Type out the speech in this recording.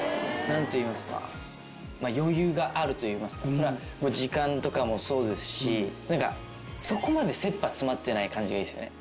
それは時間とかもそうですしそこまで切羽詰まってない感じがいいですよね。